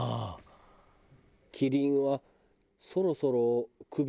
キリンはそろそろ。